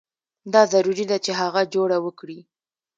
دا ضروري ده چې هغه جوړه وکړي.